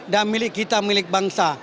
dan milik kita milik bangsa